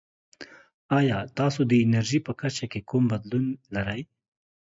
ایا تاسو د انرژي په کچه کې کوم بدلون لرئ؟